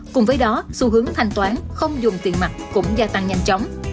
cùng với đó xu hướng thanh toán không dùng tiền mặt cũng gia tăng nhanh chóng